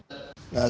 nah saya nyatakan